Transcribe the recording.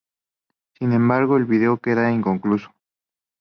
Sin embargo el video queda inconcluso.